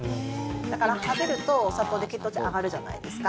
だから食べるとお砂糖で血糖値上がるじゃないですか。